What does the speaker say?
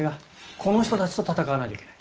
この人たちと戦わないといけない。